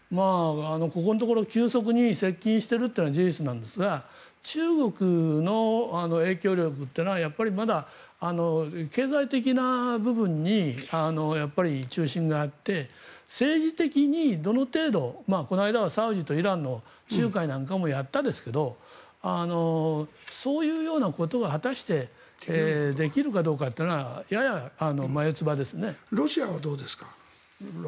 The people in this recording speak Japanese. ここのところ急速に接近してるのは事実ですが中国の影響力はまだ経済的な部分に中心になって政治的にどの程度この間はサウジとイランの仲介なんかもやったんですがそういうようなことは果たしてできるかどうかというのはロシアはどうですか？